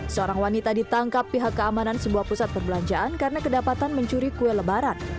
seorang wanita ditangkap pihak keamanan sebuah pusat perbelanjaan karena kedapatan mencuri kue lebaran